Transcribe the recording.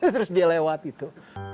terus dia lewat itu